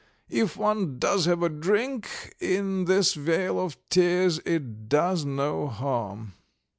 "If one does have a drink in this vale of tears it does no harm.